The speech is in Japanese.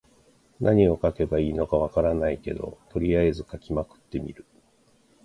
何を書けばいいのか分からないけど、とりあえず書きまくってみる。